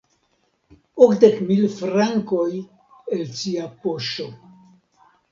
Okdek mil frankojn el cia poŝo!